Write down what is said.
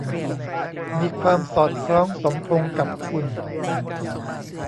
มีความสอดคล้องสมพงศ์กับคุณ